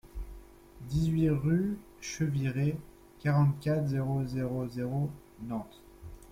dix-huit rue Cheviré, quarante-quatre, zéro zéro zéro, Nantes